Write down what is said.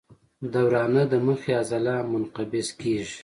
د ورانه د مخې عضله منقبض کېږي.